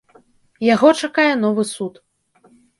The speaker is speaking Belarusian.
Яго чакае новы суд.